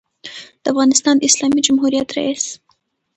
دافغانستان د اسلامي جمهوریت رئیس